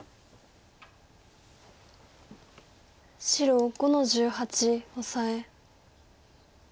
白５の十八オサエ。